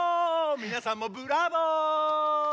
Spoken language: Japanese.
みなさんもブラボー！